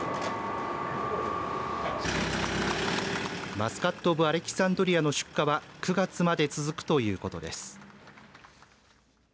マスカット・オブ・アレキサンドリアの出荷は９月まで続くということです。